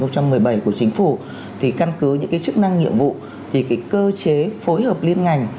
tổng đài của chính phủ thì căn cứ những cái chức năng nhiệm vụ thì cái cơ chế phối hợp liên ngành